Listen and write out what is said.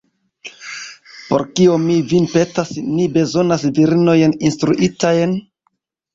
Por kio, mi vin petas, ni bezonas virinojn instruitajn?